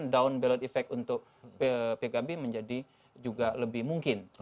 down balot effect untuk pkb menjadi juga lebih mungkin